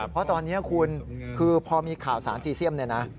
เพราะตอนนี้คุณคือพอมีข่าวสารซีเซียมเนี่ยนะ